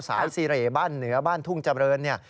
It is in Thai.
สายสิเหบ้านเหนือบ้านทุ่งจำเลิน